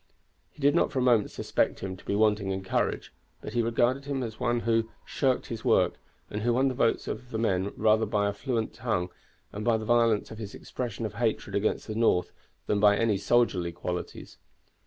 He did not for a moment suspect him to be wanting in courage; but he regarded him as one who shirked his work, and who won the votes of the men rather by a fluent tongue and by the violence of his expressions of hatred against the North than by any soldierly qualities.